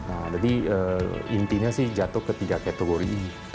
nah jadi intinya sih jatuh ke tiga kategori